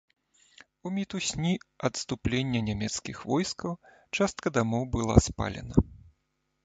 У мітусні адступлення нямецкіх войскаў частка дамоў была спалена.